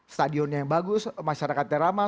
stadionnya yang bagus masyarakatnya ramah